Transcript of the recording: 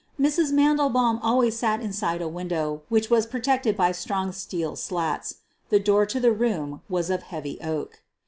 Mrs. Mandelbaum always sat inside of a window which was protected by strong steel slats. The door to the room was of heavy oak.